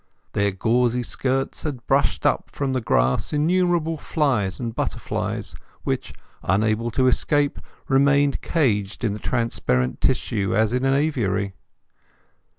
Their gauzy skirts had brushed up from the grass innumerable flies and butterflies which, unable to escape, remained caged in the transparent tissue as in an aviary.